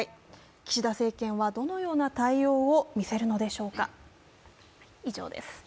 岸田政権はどのような対応を見せるのでしょうか。